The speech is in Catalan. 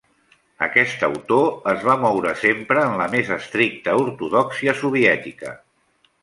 Aquest autor es va moure sempre en la més estricta ortodòxia soviètica.